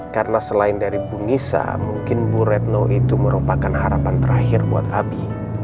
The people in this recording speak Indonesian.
karena selain dari bu nisa mungkin bu retno itu merupakan harapan terakhir buat abi